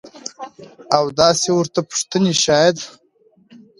او داسې ورته پوښتنې شايد.